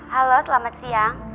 halo selamat siang